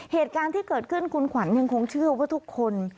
เหตุการณ์ที่เกิดขึ้นคุณขวัญยังคงเชื่อว่าทุกคน